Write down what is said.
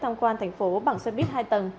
tham quan thành phố bằng xe buýt hai tầng